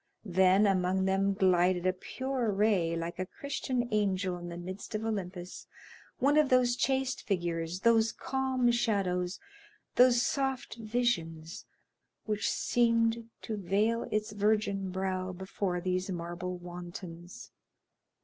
Then among them glided like a pure ray, like a Christian angel in the midst of Olympus, one of those chaste figures, those calm shadows, those soft visions, which seemed to veil its virgin brow before these marble wantons.